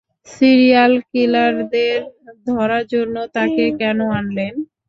Serial কিলারদের ধরার জন্য তাকে কেন আনলেন?